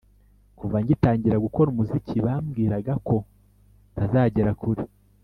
kuva ngitangira gukora umuziki bambwiraga ko ntazagera kure.